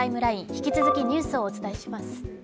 引き続きニュースをお伝えします。